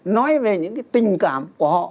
nói về những cái tình cảm của họ